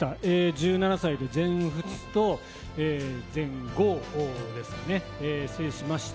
１７歳で全仏と全豪ですかね、制しまして。